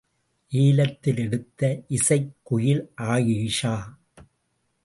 ஏலத்தில் எடுத்த இசைக் குயில் ஆயிஷா!